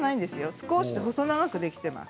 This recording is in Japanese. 少し細長くできています。